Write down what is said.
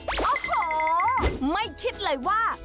โอ้โหไม่คิดเลยว่าไม่เคยเล่นเท่าไหร่